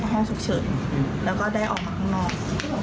ห้องฉุกเฉินแล้วก็ได้ออกมาข้างนอก